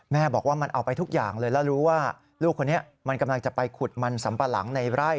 บอกว่ามันเอาไปทุกอย่างเลยแล้วรู้ว่าลูกคนนี้มันกำลังจะไปขุดมันสัมปะหลังในไร่